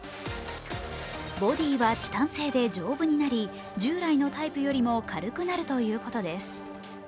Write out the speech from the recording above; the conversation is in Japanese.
ボディーはチタン製で丈夫になり従来のタイプより軽くなるということです。